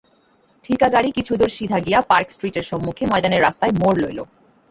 ঠিকাগাড়ি কিছুদূর সিধা গিয়া পার্ক স্ট্রীটের সম্মুখে ময়দানের রাস্তায় মোড় লইল।